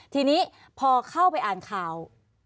ทีนี้พอเข้าไปอ่านข่าว